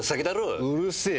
うるせえ！